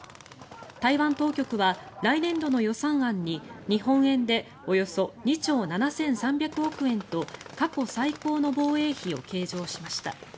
台湾当局は来年度の予算案に日本円でおよそ２兆７３００億円と過去最高の防衛費を計上しました。